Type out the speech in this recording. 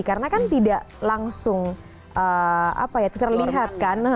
karena kan tidak langsung terlihat kan